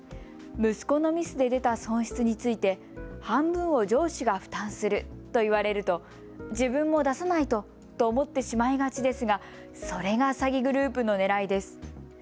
息子のミスで出た損失について半分を上司が負担すると言われると自分も出さないとと思ってしまいがちですが、それが詐欺グループのねらいです。